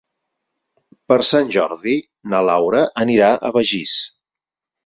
Per Sant Jordi na Laura anirà a Begís.